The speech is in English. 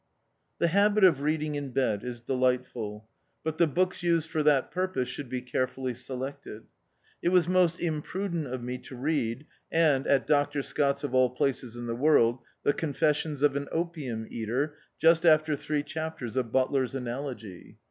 The habit of reading in bed is delight ful, but the books used for that purpose should be carefully selected. It was most imprudent of me to read, and, at Dr. Scott's of all places in the world, the " Con fessions of an Opium Eater," just after three chapters of Butler's Analogy.